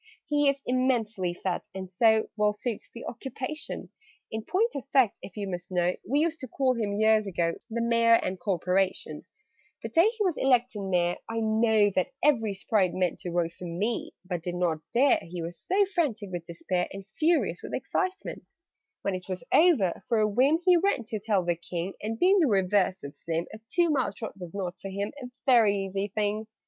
"He is immensely fat, and so Well suits the occupation: In point of fact, if you must know, We used to call him, years ago, The Mayor and Corporation! [Illustration: "HE GOES ABOUT AND SITS ON FOLK"] "The day he was elected Mayor I know that every Sprite meant To vote for me, but did not dare He was so frantic with despair And furious with excitement. "When it was over, for a whim, He ran to tell the King; And being the reverse of slim, A two mile trot was not for him A very easy thing.